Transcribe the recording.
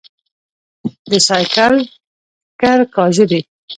د سايکل ښکر کاژه دي